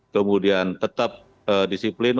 kemudian tetap disiplin